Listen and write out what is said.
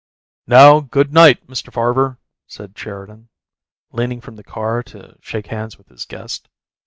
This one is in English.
"Now, good night, Mr. Farver," said Sheridan, leaning from the car to shake hands with his guest.